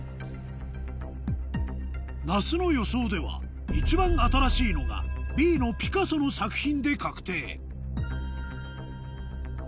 那須の予想では一番新しいのがＢのピカソの作品で確定